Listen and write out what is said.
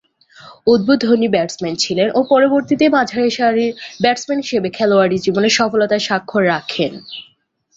উদ্বোধনী ব্যাটসম্যান ছিলেন ও পরবর্তীতে মাঝারিসারির ব্যাটসম্যান হিসেবে খেলোয়াড়ী জীবনে সফলতার স্বাক্ষর রাখেন।